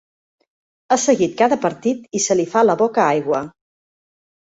Ha seguit cada partit i se li fa la boca aigua.